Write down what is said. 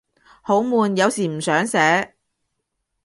好悶，有時唔想寫